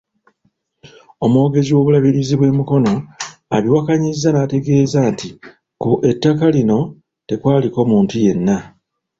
Omwogezi w'Obulabirizi bw'e Mukono abiwakanyizza n'ategeeza nti ku ettaka lino tekwaliko muntu yenna.